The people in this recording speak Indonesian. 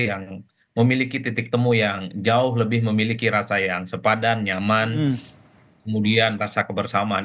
yang memiliki titik temu yang jauh lebih memiliki rasa yang sepadan nyaman kemudian rasa kebersamaan